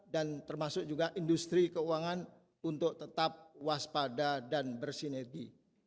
dan termasuk juga industri keuangan untuk tetap waspada dan bersineti